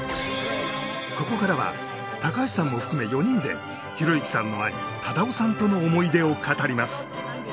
ここからは高橋さんを含め４人で弘之さんの兄忠夫さんとの思い出を語ります